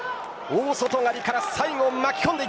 大外刈から巻き込んだ。